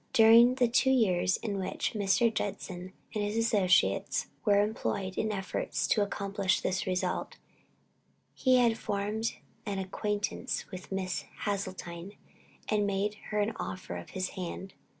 During the two years in which Mr. Judson and his associates were employed in efforts to accomplish this result, he had formed an acquaintance with Miss Hasseltine, and made her an offer of his hand.